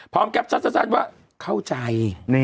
พร้อมแกร็บชัดว่าเข้าใจ